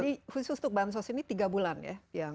jadi khusus untuk bansos ini tiga bulan ya